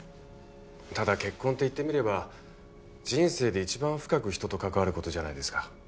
ただ結婚って言ってみれば人生で一番深く人と関わることじゃないですか。